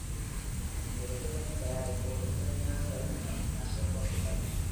இந்த எதிர்வினை தயாரிப்பு ஒரு முழுமையான எண்ம மின்னணுவைக் கொண்டுள்ளது.